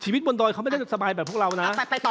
ชีวิตบนดอยเขาไม่ได้สบายแบบเรานะ